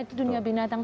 itu dunia binatang